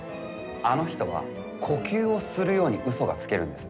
あの人は呼吸をするように嘘がつけるんです。